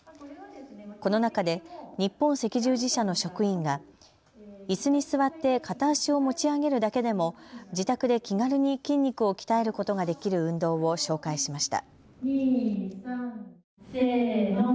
この中で日本赤十字社の職員がいすに座って片足を持ち上げるだけでも自宅で気軽に筋肉を鍛えることができる運動を紹介しました。